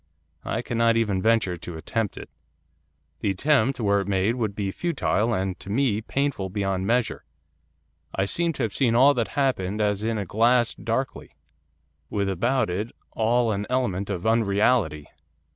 I cannot even venture to attempt it. The attempt, were it made, would be futile, and, to me, painful beyond measure. I seem to have seen all that happened as in a glass darkly, with about it all an element of unreality.